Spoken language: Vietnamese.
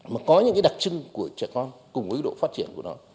mà có những cái đặc trưng của trẻ con cùng với độ phát triển của nó